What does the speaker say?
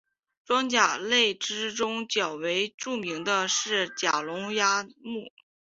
装甲类之中较为著名的是甲龙亚目。